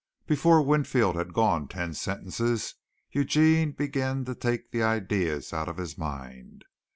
Before Winfield had gone ten sentences, Eugene began to take the ideas out of his mind.